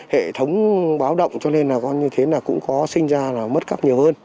hệ thống báo động cho nên là con như thế là cũng có sinh ra là mất cắp nhiều hơn